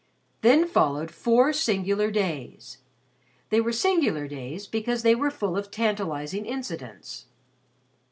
Then followed four singular days. They were singular days because they were full of tantalizing incidents.